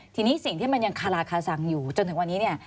ทีนี้สิ่งที่มันยังคาราคาสังอยู่จนถึงวันนี้เนี่ย